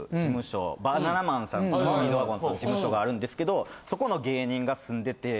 スピードワゴンさんの事務所があるんですけどそこの芸人が住んでて。